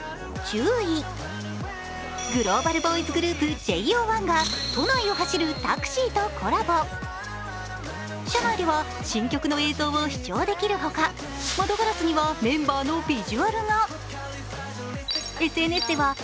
グローバルボーイズグループ、ＪＯ１が都内を走るタクシーとコラボ車内では新曲の映像を視聴できるほか窓ガラスにはメンバーのビジュアルが。